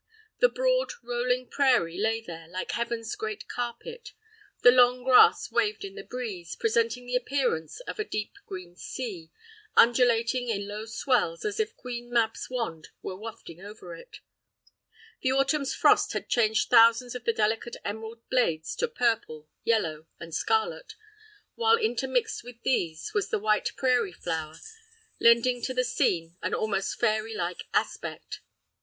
The broad, rolling prairie lay there, like heaven's great carpet. The long grass waved in the breeze, presenting the appearance of a deep green sea, undulating in low swells as if Queen Mab's wand were wafting over it; the autumn's frost had changed thousands of the delicate emerald blades to purple, yellow, and scarlet, while, intermixed with these, was the white prairie flower, lending to the scene an almost fairy like aspect.